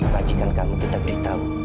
majikan kamu kita beritahu